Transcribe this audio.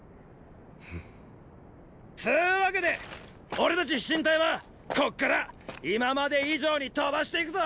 つーわけで俺たち飛信隊はこっから今まで以上に飛ばしていくぞ！